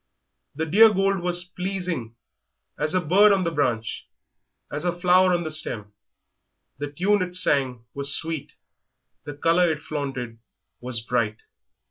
The dear gold was pleasing as a bird on the branch, as a flower on the stem; the tune it sang was sweet, the colour it flaunted was bright.